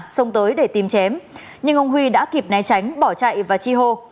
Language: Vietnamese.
xông tới để tìm chém nhưng ông huy đã kịp né tránh bỏ chạy và chi hô